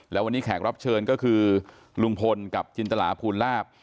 แล้ววันนี้แขกรับเชิญก็คือลุงพลกับจินตลาภูลลาบ